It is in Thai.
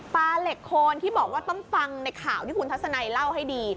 เหล็กโคนที่บอกว่าต้องฟังในข่าวที่คุณทัศนัยเล่าให้ดี